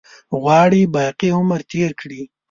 غواړي باقي عمر تېر کړي.